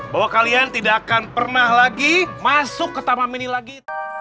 bahwa kalian tidak akan pernah lagi masuk ke taman mini lagi